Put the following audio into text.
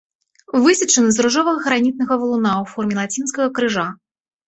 Высечаны з ружовага гранітнага валуна ў форме лацінскага крыжа.